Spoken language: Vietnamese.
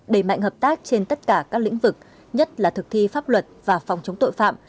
đẩy mạnh hợp tác trên tất cả các lĩnh vực nhất là thực thi pháp luật và phòng chống tội phạm